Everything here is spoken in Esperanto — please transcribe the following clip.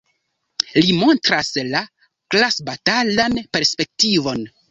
Li montras la klasbatalan perspektivon.